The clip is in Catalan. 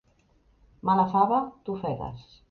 Mala fava t'ofegués.